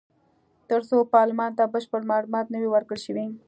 تر څو پارلمان ته بشپړ معلومات نه وي ورکړل شوي.